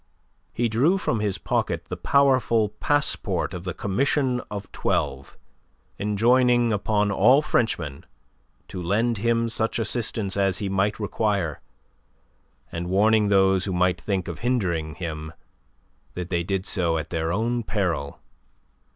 He drew from his pocket the powerful passport of the Commission of Twelve, enjoining upon all Frenchmen to lend him such assistance as he might require, and warning those who might think of hindering him that they did so at their own peril.